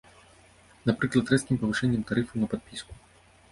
Напрыклад, рэзкім павышэннем тарыфаў на падпіску.